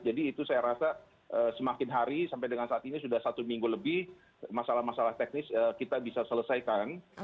jadi itu saya rasa semakin hari sampai dengan saat ini sudah satu minggu lebih masalah masalah teknis kita bisa selesaikan